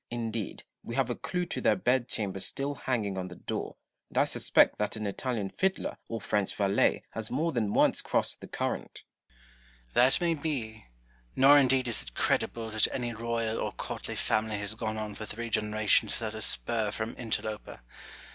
Indeed, we have a clew to their bedchamber still hanging on the door, and I suspect that an Italian fiddler or French valet has more than once crossed the current. Noble. That may be : nor indeed is it credible that any royal or courtly family has gone on for three generations without a spur from interloper.